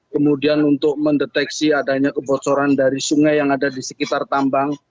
kemudian untuk mendeteksi adanya kebocoran dari sungai yang ada di sekitar tambang